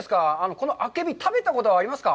このあけび、食べたことはありますか？